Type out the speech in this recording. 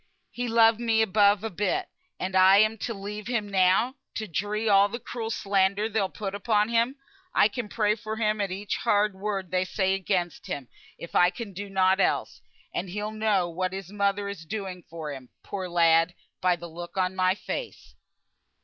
He loved me above a bit; and am I to leave him now to dree all the cruel slander they'll put upon him? I can pray for him at each hard word they say against him, if I can do nought else; and he'll know what his mother is doing for him, poor lad, by the look on my face."